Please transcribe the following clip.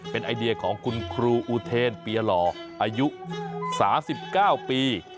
เป็นไอเดียของคุณครูอูเทนเปียหล่ออายุ๓๙ปี